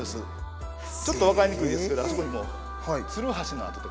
ちょっと分かりにくいですけどあそこにもツルハシの跡って。